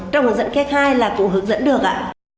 trong hướng dẫn cách hai là cũng hướng dẫn được ạ